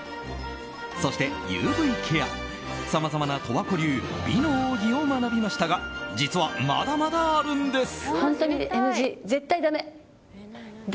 そして、ＵＶケアさまざまな、十和子流美の奥義を学びましたが実はまだまだあるんです。